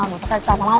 gak butuh kecap gak mau